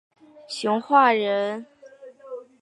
熊化人。